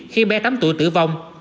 khi bé tám tuổi tử vong